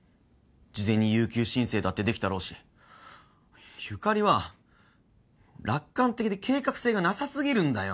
事前に有給申請だってできたろうしゆかりは楽観的で計画性がなさ過ぎるんだよ。